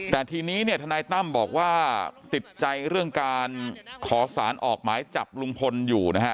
แต่ทีนี้เนี่ยทนายตั้มบอกว่าติดใจเรื่องการขอสารออกหมายจับลุงพลอยู่นะฮะ